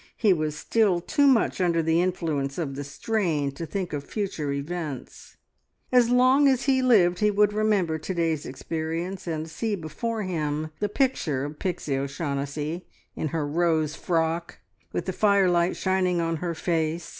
He was still too much under the influence of the strain to think of future events. As long as he lived he would remember to day's experience, and see before him the picture of Pixie O'Shaughnessy in her rose frock, with the firelight shining on her face.